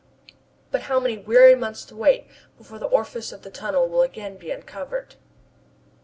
But how many weary months to wait before the orifice of the tunnel will again be uncovered!